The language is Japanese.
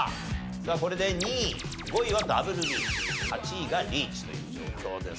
これで２位５位はダブルリーチ８位がリーチという状況です。